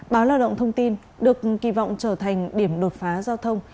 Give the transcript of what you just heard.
báo lao động thông tin được kỳ vọng trở thành điểm đột phá giao thông